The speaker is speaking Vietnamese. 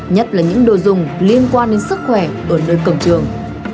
nhất là những đồ dùng liên quan đến sức khỏe ở nơi cổng trường